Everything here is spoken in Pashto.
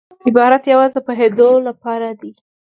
عبارت یوازي د پوهېدو له پاره دئ.